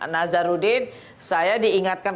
nazarudin saya diingatkan